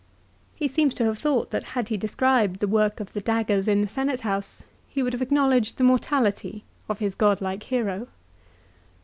He seems to have thought that had he described the work of the daggers in the Senate house he would have acknow ledged the mortality of his godlike hero.